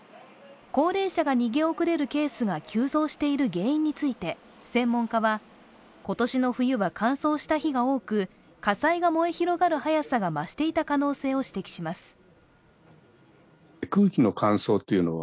高齢者が逃げ遅れるケースが急増している原因について専門家は、今年の冬は乾燥した日が多く火災が燃え広がる早さが増していた可能性を指摘します。